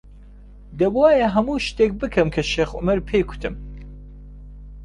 دەبووایە هەموو شتێک بکەم کە شێخ عومەر پێی گوتم.